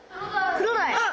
クロダイ！